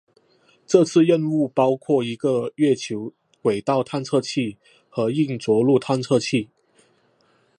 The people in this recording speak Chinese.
这次任务包括一个月球轨道探测器和硬着陆探测器。